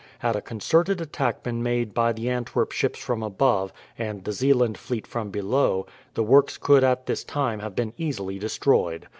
Had a concerted attack been made by the Antwerp ships from above, and the Zeeland fleet from below, the works could at this time have been easily destroyed.